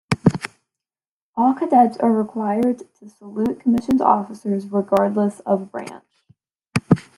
All cadets are required to salute commissioned officers regardless of branch.